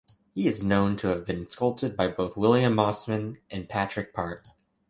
He is known to have been sculpted by both William Mossman and Patric Park.